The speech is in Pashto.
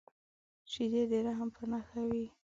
شیدې د رحم په نښه وي